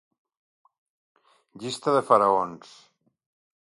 Llista de faraons.